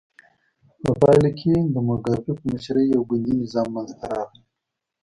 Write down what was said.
په پایله کې د موګابي په مشرۍ یو ګوندي نظام منځته راغی.